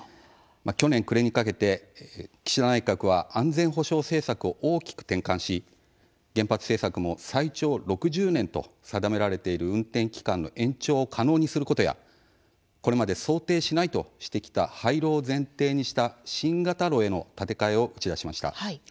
去年、暮れにかけて岸田内閣は安全保障政策を大きく転換し原発政策も最長６０年と定められている運転期間の延長を可能にすることやこれまで想定しないとしてきた廃炉を前提にした新型炉への建て替えを打ち出しました。